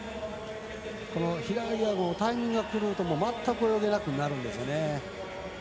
平泳ぎはタイミングが狂うとまったく泳げなくなるんですよね。